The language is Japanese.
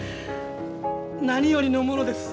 何よりのものです。